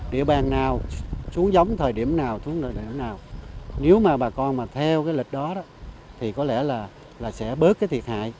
địa bàn nào xuống giống thời điểm nào xuống nếu mà bà con theo lịch đó thì có lẽ là sẽ bớt thiệt hại